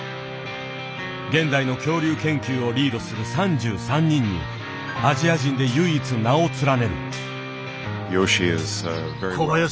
現代の恐竜研究をリードする３３人にアジア人で唯一名を連ねる。